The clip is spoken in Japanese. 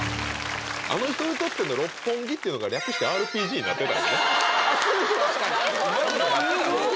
あの人にとっての六本木っていうのが略してＲＰＧになってたんやね